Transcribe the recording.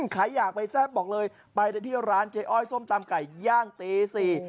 ใครอยากไปแซ่บบอกเลยไปได้ที่ร้านเจ๊อ้อยส้มตำไก่ย่างตีสี่